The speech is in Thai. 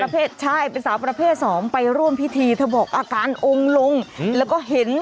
ใช่เป็นสาวประเภทสองไปร่วมพิธีเธอบอกอาการองค์ลงแล้วก็เห็น